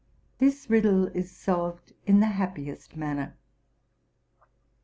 This riddle is solved in the happiest manner.